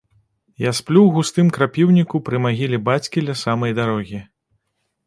Я сплю ў густым крапіўніку пры магіле бацькі ля самай дарогі.